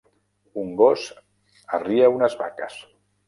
Un gos arria unes vaques